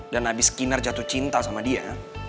dan abis kinar jatuh cinta sama dia